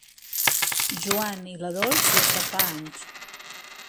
Joan i la Dols des de fa anys.